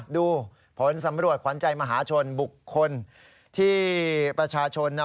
ดูผลสำรวจขวัญใจมหาชนบุคคลที่ประชาชนนะ